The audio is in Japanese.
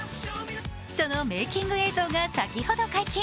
そのメーキング映像が先ほど解禁。